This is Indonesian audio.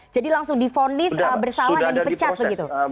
jadi langsung difonis bersalah yang dipecat begitu